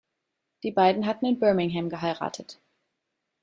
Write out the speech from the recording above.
Die beiden hatten in Birmingham geheiratet.